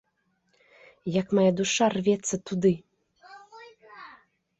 Як мая душа рвецца туды!